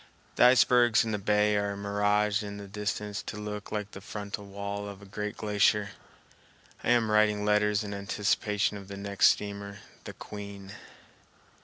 The icebergs in the bay are miraged in the distance to look like the frontal wall of a great glacier. I am writing letters in anticipation of the next steamer, the Queen.